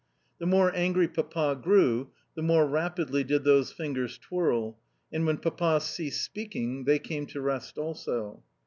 The more angry Papa grew, the more rapidly did those fingers twirl, and when Papa ceased speaking they came to rest also.